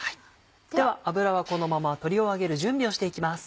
では油はこのまま鶏を揚げる準備をしていきます。